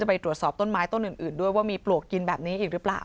ไปตรวจสอบต้นไม้ต้นอื่นด้วยว่ามีปลวกกินแบบนี้อีกหรือเปล่า